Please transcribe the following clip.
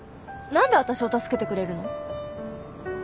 何で私を助けてくれるの？